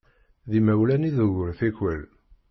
D imawlan i d ugur tikwal.